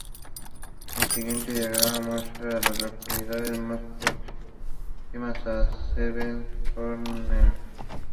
El siguiente diagrama muestra a las localidades más próximas a Seven Corners.